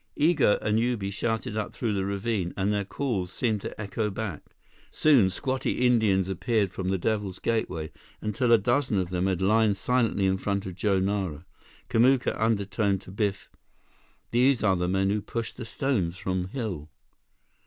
Igo and Ubi shouted up through the ravine, and their calls seemed to echo back. Soon, squatty Indians appeared from the Devil's Gateway until a dozen of them had lined silently in front of Joe Nara. Kamuka undertoned to Biff: "These are the men who pushed stones from hill."